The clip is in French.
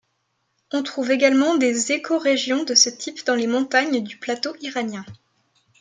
On trouve également des écorégions de ce type dans les montagnes du plateau iranien.